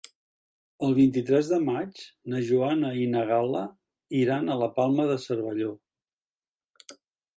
El vint-i-tres de maig na Joana i na Gal·la iran a la Palma de Cervelló.